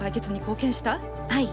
はい。